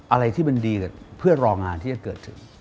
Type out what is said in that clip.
อะไรที่มันดีกับเพื่อรองานที่จะเกิดถึง